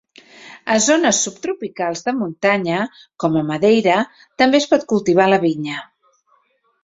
A zones subtropicals de muntanya com a Madeira també es pot cultivar la vinya.